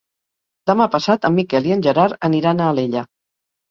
Demà passat en Miquel i en Gerard aniran a Alella.